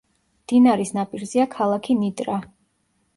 მდინარის ნაპირზეა ქალაქი ნიტრა.